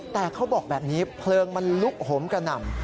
แต่เขาบอกแบบนี้เพลิงมันลุกโหมกระหน่ำ